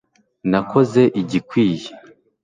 nakoze igikwiye